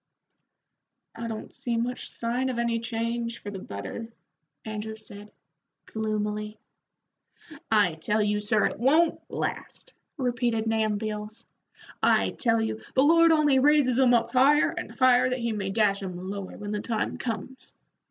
"I don't see much sign of any change for the better," Andrew said, gloomily. "I tell you, sir, it won't last," repeated Nahum Beals. "I tell you, the Lord only raises 'em up higher and higher that He may dash 'em lower when the time comes.